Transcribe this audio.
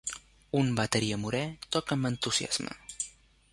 Un bateria morè toca amb entusiasme.